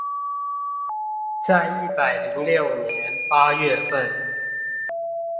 在一百零六年八月份